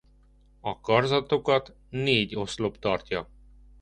A karzatokat négy oszlop tartja.